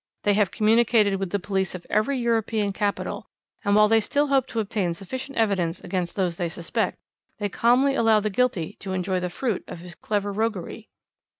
They have communicated with the police of every European capital; and while they still hope to obtain sufficient evidence against those they suspect, they calmly allow the guilty to enjoy the fruit of his clever roguery."